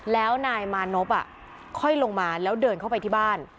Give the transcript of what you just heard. แล้วนายมานพค่อยลงมาแล้วเดินเข้าไปที่บ้าน